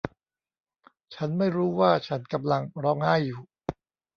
ฉันไม่รู้ว่าฉันกำลังร้องไห้อยู่